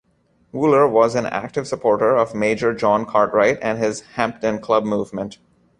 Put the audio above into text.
Wooler was an active supporter of Major John Cartwright and his Hampden Club movement.